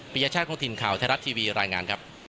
ประเภทชาติของทีนข่าวไทยรัฐทีวีรายงานครับ